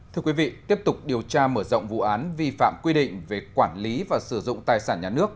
thưa quý vị tiếp tục điều tra mở rộng vụ án vi phạm quy định về quản lý và sử dụng tài sản nhà nước